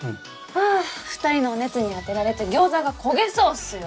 ハァ２人のお熱に当てられて餃子が焦げそうっすよ。